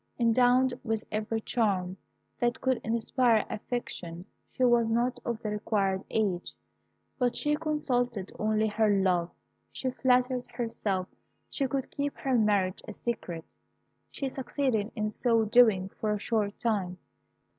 Endowed with every charm that could inspire affection, she was not of the required age; but she consulted only her love. She flattered herself she could keep her marriage a secret. She succeeded in so doing for a short time.